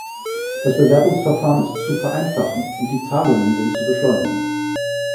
Das Bewerbungsverfahren ist zu vereinfachen, und die Zahlungen sind zu beschleunigen.